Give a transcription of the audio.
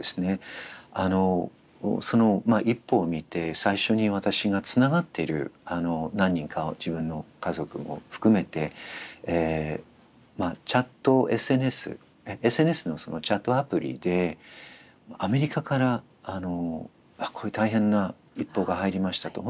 あのその一報を見て最初に私がつながってる何人かを自分の家族も含めてチャットＳＮＳＳＮＳのそのチャットアプリでアメリカから「これ大変な一報が入りました」と。